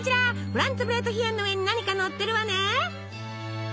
フランツブレートヒェンの上に何かのってるわね？